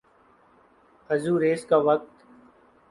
Azores کا وقت